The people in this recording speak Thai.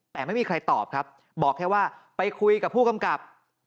แต่ไม่มีใครตอบครับบอกแค่ว่าไปคุยกับผู้กำกับ